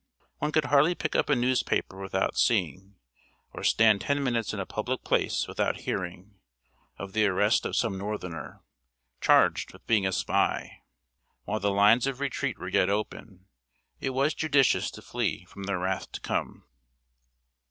One could hardly pick up a newspaper without seeing, or stand ten minutes in a public place without hearing, of the arrest of some northerner, charged with being a spy. While the lines of retreat were yet open, it was judicious to flee from the wrath to come.